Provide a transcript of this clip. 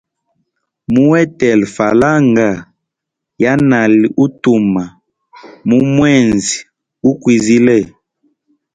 Muhetele falanga yanali utuma mu mwezi gu kwizile.